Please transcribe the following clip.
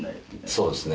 そうですね。